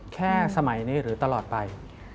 แค่สมัยนี้หรือตลอดไป